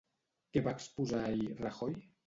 Què va exposar ahir Rajoy?